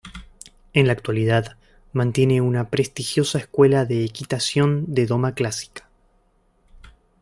En la actualidad mantiene una prestigiosa Escuela de Equitación de doma clásica.